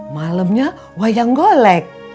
malamnya wayang golek